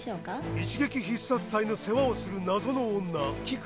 一撃必殺隊の世話をする謎の女キク。